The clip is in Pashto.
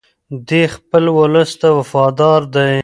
دی خپل ولس ته وفادار دی.